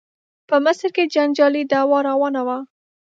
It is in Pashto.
په مصر کې جنجالي دعوا روانه وه.